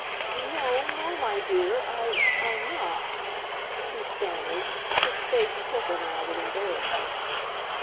"No no, my dear, I I'm not," he stammered, his face purple now with embarrassment.